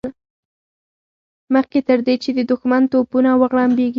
مخکې تر دې چې د دښمن توپونه وغړمبېږي.